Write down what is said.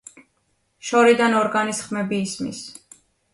შორიდან ორგანის ხმები ისმის.